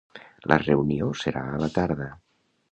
La reunió serà a la tarda.